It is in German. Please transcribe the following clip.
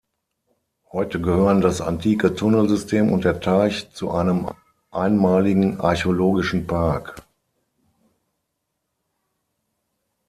Heute gehören das antike Tunnelsystem und der Teich zu einem einmaligen archäologischen Park.